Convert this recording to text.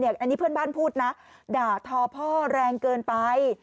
อันนี้เพื่อนบ้านพูดนะด่าทอพ่อแรงเกินไป